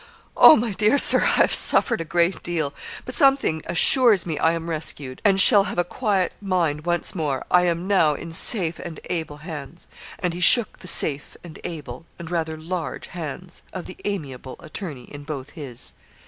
Oh! my dear Sir, I have suffered a great deal; but something assures me I am rescued, and shall have a quiet mind once more I am now in safe and able hands.' And he shook the safe and able, and rather large, hands of the amiable attorney in both his.